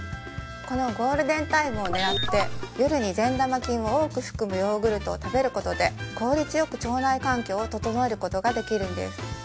このゴールデンタイムを狙って夜に善玉菌を多く含むヨーグルトを食べることで効率よく腸内環境を整えることができるんです